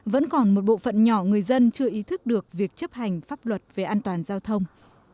vẫn còn một bộ phận nhỏ người dân chưa ý thức được việc chấp hành pháp luật về an toàn giao thông